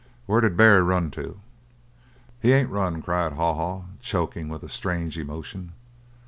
Where did Barry run to?" "He ain't run," cried Haw Haw, choking with a strange emotion.